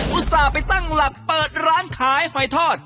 อุตส่าห์ไปตั้งหลักเปิดร้านขายหอยทอด